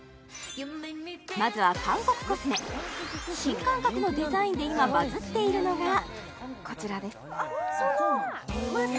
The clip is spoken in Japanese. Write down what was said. まずは韓国コスメ新感覚のデザインで今バズっているのがこちらですあっ